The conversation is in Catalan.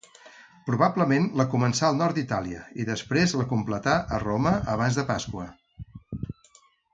Probablement la començà al nord d'Itàlia i després la completà a Roma abans de Pasqua.